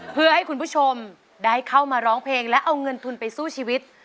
เพื่อให้คุณผู้ชมได้เข้ามาร้องเพลงและเอาเงินทุนไปสู้ชีวิต